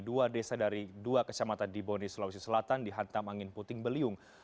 dua desa dari dua kecamatan di boni sulawesi selatan dihantam angin puting beliung